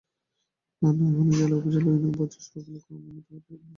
তা না হলে জেলা উপজেলা ইউনিয়ন পর্যায়ের সড়কগুলো ক্রমে মৃত্যুফাঁদ হয়ে উঠবে।